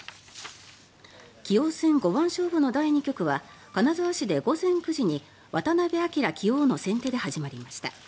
棋王戦五番勝負の第２局は金沢市で午前９時に渡辺明棋王の先手で始まりました。